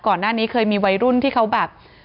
ก่อนหน้านี้เคยมีวัยรุ่นที่เขาแบบ